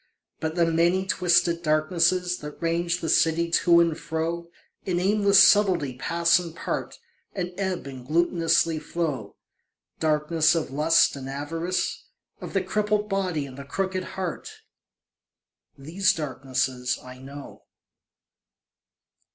But the many twisted darknesses That range the city to and fro, In aimless subtlety pass and part And ebb and glutinously flow; Darkness of lust and avarice, Of the crippled body and the crooked heart ... These darknesses I know.